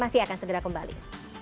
masih akan segera kembali